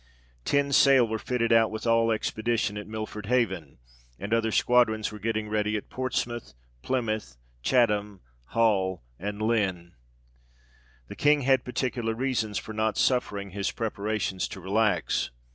Ten sail were fitting out with all expedition at Milford Haven, and other squadrons were getting ready at Portsmouth, Plymouth, Chatham, Hull, and Lynn. The King had particular reasons for not suffering his preparations to relax.